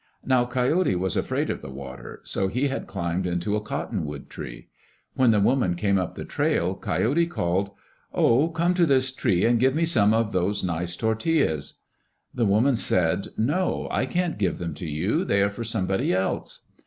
Now Coyote was afraid of the water, so he had climbed into a cottonwood tree. When the woman came up the trail, Coyote called, "Oh, come to this tree and give me some of those nice tortillas." The woman said, "No. I can't give them to you; they are for somebody else."